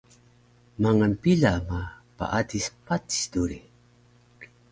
mangal pila ma paadis patis duri